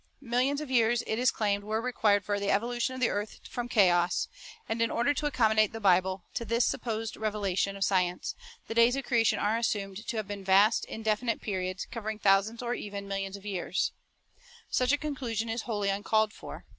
Millions of years, it is claimed, were required for the evolution of the earth from chaos; and in order to accommodate the Bible to this supposed revelation of science, the days of creation are assumed to have been vast, indefinite periods, covering thousands or even millions of years. Science and the Bible 129 Such a conclusion is wholly uncalled for.